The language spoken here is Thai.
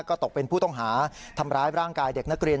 ก็ตกเป็นผู้ต้องหาทำร้ายร่างกายเด็กนักเรียน